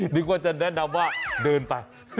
นึกว่าจะแนะนำว่าเดินไป